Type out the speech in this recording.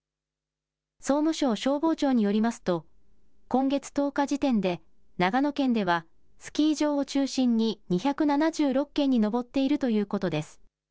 総務省消防庁によりますと、今月１０日時点で長野県ではスキー場を中心に２７６件に上っているということです。